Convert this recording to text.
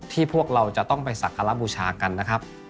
พวกเราจะต้องไปสักการะบูชากันนะครับ